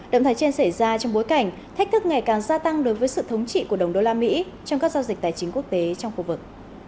động thái trên xảy ra trong bối cảnh thách thức ngày càng gia tăng đối với sự thống trị của đồng đô la mỹ trong các giao dịch tài chính quốc tế trong khu vực